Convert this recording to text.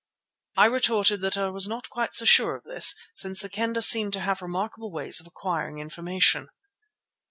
I retorted that I was not quite so sure of this, since the Kendah seemed to have remarkable ways of acquiring information.